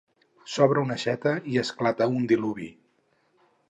S'obre una aixeta i esclata un diluvi.